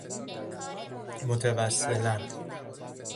متوسلاً